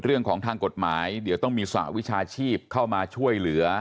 เรื่องของทางกฎหมายเดี๋ยวต้องมีสหวิชาชีพเข้ามาช่วยเหลือ